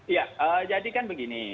ya jadikan begini